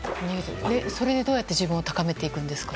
それで、どうやって自分を高めていくんですか。